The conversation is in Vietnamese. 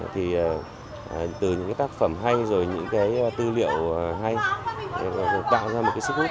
thì từ những cái tác phẩm hay rồi những cái tư liệu hay là tạo ra một cái sức hút